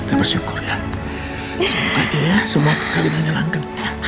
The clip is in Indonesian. kita bersyukur ya semoga aja ya semoga kalian menyalahkan